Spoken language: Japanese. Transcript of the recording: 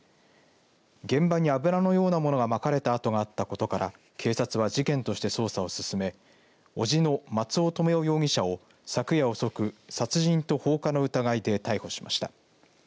現場に油のようなものがまかれた跡があったことから警察は事件として捜査を進め伯父の松尾留与容疑者を昨夜遅く、殺人と放火の疑いで逮捕しました。